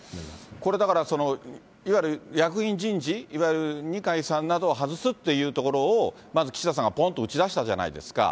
これ、だからいわゆる役員人事、いわゆる二階さんなどを外すというところを、まず岸田さんがぽんと打ち出したじゃないですか。